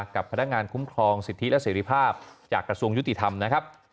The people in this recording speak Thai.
กับพนักงานคุ้มครองสิทธิและเสรีภาพจากกระทรวงยุติธรรมนะครับ